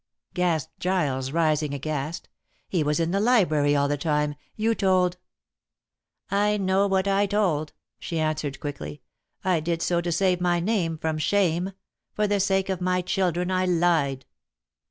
gasped Giles, rising aghast. "He was in the library all the time. You told " "I know what I told," she answered quickly. "I did so to save my name from shame; for the sake of my children I lied.